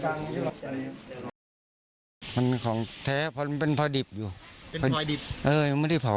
มันเป็นของแท้เพราะมันเป็นพลอยดิบอยู่ไม่ได้เผ่า